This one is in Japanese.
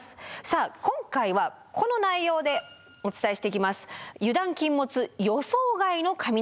さあ今回はこの内容でお伝えしていきます。